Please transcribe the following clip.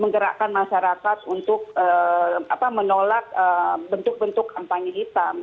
menggerakkan masyarakat untuk menolak bentuk bentuk kampanye hitam